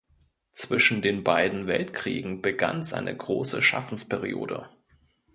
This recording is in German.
Zwischen den beiden Weltkriegen begann seine große Schaffensperiode.